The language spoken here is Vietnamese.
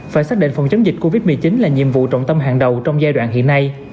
phải xác định phòng chống dịch covid một mươi chín là nhiệm vụ trọng tâm hàng đầu trong giai đoạn hiện nay